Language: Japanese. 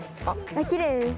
きれいです。